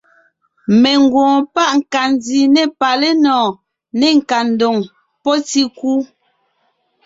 Mengwoon páʼ nkandi ne palénɔɔn, ne nkandoŋ pɔ́ tíkú.